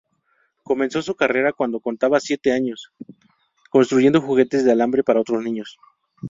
Comenzó su carrera cuando contaba siete años, construyendo juguetes de alambre para otros niños.